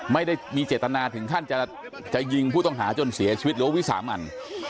ไม่ได้มีเจตนาถึงขั้นจะยิงผู้ต้องหาจนเสียชีวิตหรือว่าวิสามัน